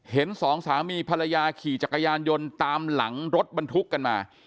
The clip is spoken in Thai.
สองสามีภรรยาขี่จักรยานยนต์ตามหลังรถบรรทุกกันมา